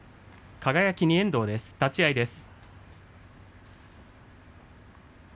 輝に遠藤です。